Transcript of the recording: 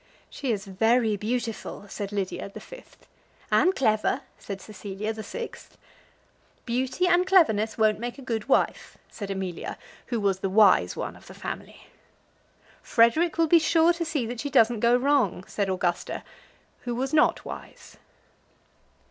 "She is very beautiful," said Lydia, the fifth. "And clever," said Cecilia, the sixth. "Beauty and cleverness won't make a good wife," said Amelia, who was the wise one of the family. "Frederic will be sure to see that she doesn't go wrong," said Augusta, who was not wise.